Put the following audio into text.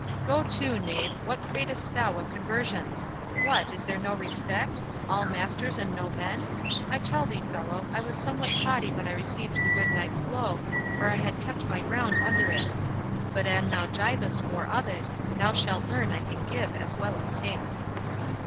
"Go to, knave, what pratest thou of conversions?—what, is there no respect?—all masters and no men?—I tell thee, fellow, I was somewhat totty when I received the good knight's blow, or I had kept my ground under it. But an thou gibest more of it, thou shalt learn I can give as well as take."